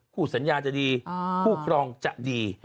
สัญญาจะดีคู่ครองจะดี